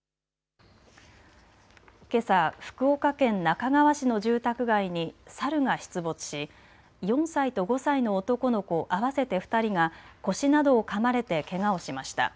けさ福岡県那珂川市の住宅街にサルが出没し４歳と５歳の男の子合わせて２人が腰などをかまれてけがをしました。